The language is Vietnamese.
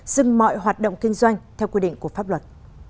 dừng mọi hoạt động kinh doanh theo quy định của pháp luật